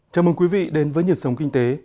chào mừng quý vị đến với nhịp sống kinh tế